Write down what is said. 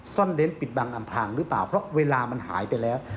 ซ่อนเน้นปิดบังอำพลางหรือเปล่าเพราะเวลามันหายไปแล้ว